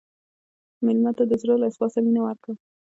مېلمه ته د زړه له اخلاصه مینه ورکړه.